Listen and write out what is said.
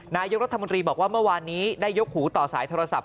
นายกรัฐมนตรีบอกว่าเมื่อวานนี้ได้ยกหูต่อสายโทรศัพท์